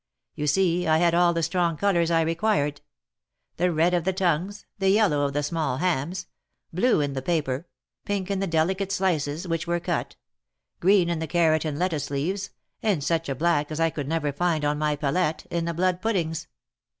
You see, I had all the strong colors I required. The red of the tongues; the yellow of the small hams; blue in the paper ; pink in the delicate slices, which were cut ; green in the carrot and lettuce leaves, and such a black as I could never find on my palette, in the blood puddings.